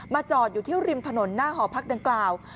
จอดอยู่ที่ริมถนนหน้าหอพักดังกล่าว